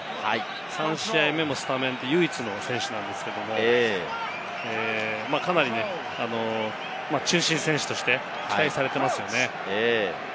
３試合目も先発というのは唯一なんですけれども、かなり中心選手として期待されていますよね。